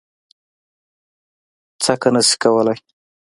څکه نه شي کولی.